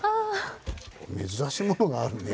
珍しいものがあるね。